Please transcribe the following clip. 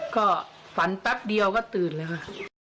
ก็ฝันแป๊บเดียวก็ตื่นแล้วค่ะ